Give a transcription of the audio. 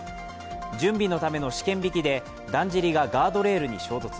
準備のための試験びきでだんじりがガードレールに衝突。